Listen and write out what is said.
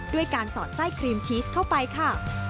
ด้วยการสอดไส้ครีมชีสเข้าไปค่ะ